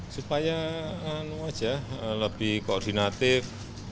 supaya lebih koordinatif